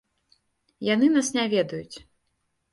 Яны нас не ведаюць.